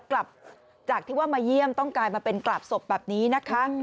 กลับจากที่ว่ามาเยี่ยมต้องกลายมาเป็นกราบศพแบบนี้นะคะ